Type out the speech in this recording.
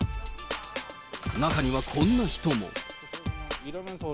中にはこんな人も。